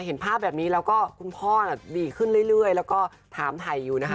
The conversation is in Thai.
เห็นภาพแบบนี้แล้วก็คุณพ่อดีขึ้นเรื่อยแล้วก็ถามถ่ายอยู่นะคะ